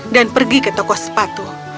dan pergi ke toko sepatu